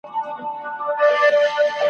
بوه ورځ به دي څوک یاد کړي جهاني زخمي نظمونه ,